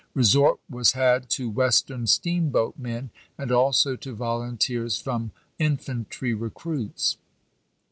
Resort was had to Western steamboatmen, and also to volunteers from infantry recruits.